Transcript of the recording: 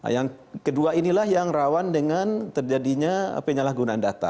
yang kedua inilah yang rawan dengan terjadinya penyalahgunaan data